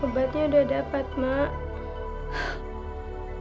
obatnya udah dapat mak